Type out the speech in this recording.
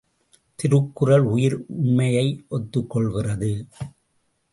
திருக்குறள் உயிர் உண்மையை ஒத்துக் கொள்கிறது.